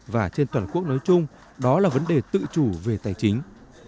và trên toàn quốc nói chung đó là vấn đề tự chủ về tài chính